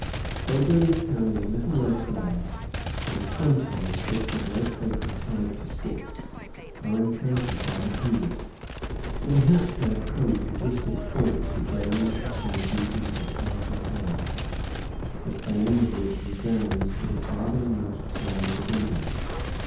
Pilgrims carrying little red flags, and sometimes bits of red paper tied to sticks, are encountered by the hundred; mayhap they have come from distant points to gaze upon the beauties of the Taj Mahal, the fame of which resounds to the farthermost corners of India.